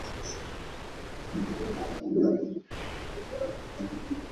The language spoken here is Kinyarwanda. Ubu ni mu Turere twa Rwamagana, Kayonza na Gatsibo